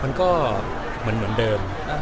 มันก็เหมือนเดิม